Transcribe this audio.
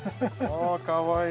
あかわいい。